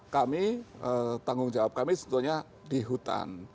kami tanggung jawab kami sebetulnya di hutan